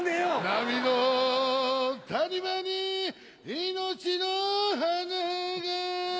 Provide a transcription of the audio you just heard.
波の谷間に命の花が